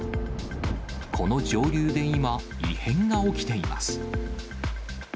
この上流で今、異変が起きています。